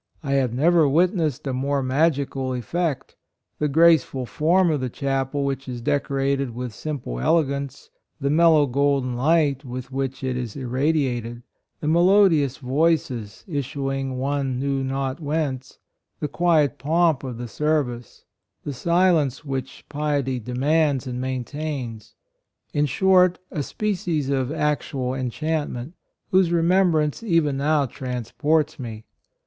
I have never witnessed a more magical effect — the graceful form of the chapel which is deco rated with simple elegance ; the mellow golden light with which it is irradiated; the melodious voices, issuing one knew not whence ; the quiet pomp of the service; the si lence which piety demands and maintains ; in short, a species of HIS ESTATE. 55 actual enchantment, whose remem brance even now transports me.